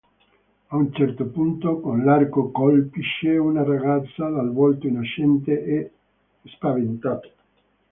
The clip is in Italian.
A un certo punto, con l'arco, colpisce una ragazza, dal volto innocente e spaventato.